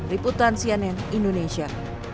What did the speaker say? riputan cnn indonesia